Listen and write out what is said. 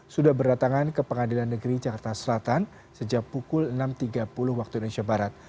sudah berdatangan ke pengadilan negeri jakarta selatan sejak pukul enam tiga puluh waktu indonesia barat